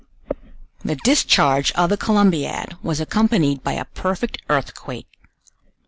The discharge of the Columbiad was accompanied by a perfect earthquake.